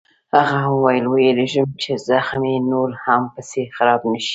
هغه وویل: وېرېږم چې زخم یې نور هم پسې خراب نه شي.